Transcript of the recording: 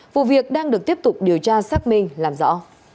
vụ việc đang được tiếp tục điều tra xác minh làm rõ